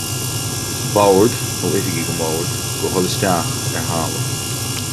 An Bord nó oifigigh don Bhord do dhul isteach ar thalamh.